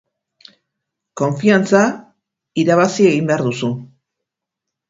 Konfiantza, irabazi egin behar duzu.